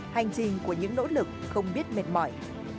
hành trình của những nỗ lực không biết mệt mỏi